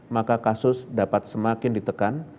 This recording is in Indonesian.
maka kasus dapat semakin ditekan